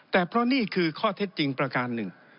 แต่เพราะนี่คือข้อเท็จจริงประการหนึ่ง